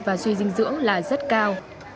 và suy dinh dưỡng là rất cao